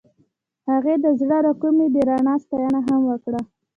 هغې د زړه له کومې د رڼا ستاینه هم وکړه.